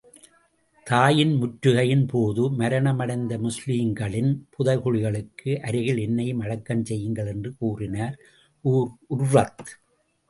தாயிபின் முற்றுகையின் போது, மரணம் அடைந்த முஸ்லிம்களின் புதைகுழிகளுக்கு அருகில் என்னையும் அடக்கம் செய்யுங்கள் என்று கூறினார் உர்வத்.